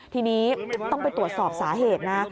ทีนี้ต้องไปตรวจสอบสาเหตุนะ